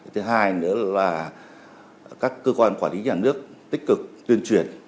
thứ hai nữa là các cơ quan quản lý nhà nước tích cực tuyên truyền